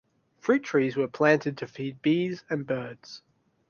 Fruit trees were planted to feed bees and birds.